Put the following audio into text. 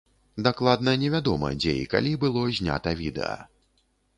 Дакладна невядома, дзе і калі было знята відэа.